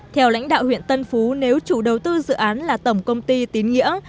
theo lãnh đạo huyện tân phú nếu chủ đầu tư dự án là tổng công ty tín nghĩa